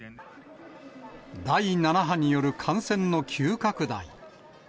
第７波による感染の急拡大。